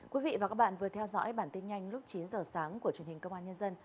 quý vị và các bạn vừa theo dõi bản tin nhanh lúc chín giờ sáng của truyền hình công an nhân dân